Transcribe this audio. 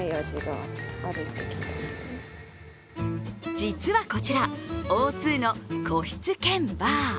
実はこちら、Ｏ２の個室兼バー。